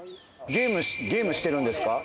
ゲームしてるんですか？